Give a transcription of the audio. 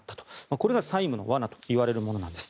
これが債務の罠といわれるものなんです。